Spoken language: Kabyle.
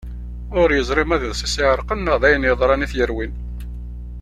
Ur yeẓri ma d iḍes i as-iɛerqen neɣ d ayen yeḍran i t-yerwin.